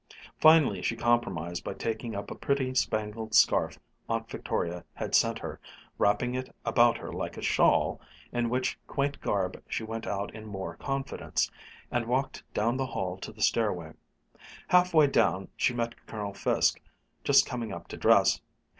Finally she compromised by taking up a pretty spangled scarf Aunt Victoria had sent her, wrapping it about her like a shawl, in which quaint garb she went out in more confidence, and walked down the hall to the stairway. Half way down she met Colonel Fiske just coming up to dress.